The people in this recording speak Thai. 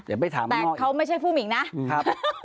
อย่าไปถามไม่งอกแต่เขาไม่ใช่ผู้หมิ่งนะครับ